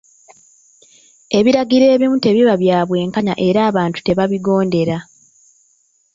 Ebiragiro ebimu tebiba bya bwenkanya era abantu tebabigondera.